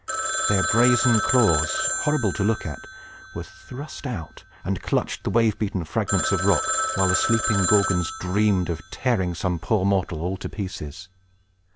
Their brazen claws, horrible to look at, were thrust out, and clutched the wave beaten fragments of rock, while the sleeping Gorgons dreamed of tearing some poor mortal all to pieces.